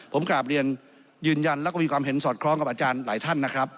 ผมกราบเรียนยืนยันแล้วก็มีความเห็นสอดคล้องกับอาจารย์หลายท่านนะครับ